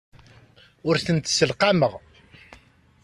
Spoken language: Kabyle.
Ur tent-sselqameɣ.